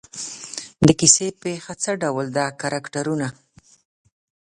د کیسې پېښه څه ډول ده کرکټرونه.